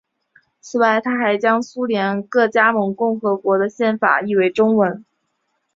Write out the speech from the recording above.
此外他还将苏联各加盟共和国的宪法译为中文。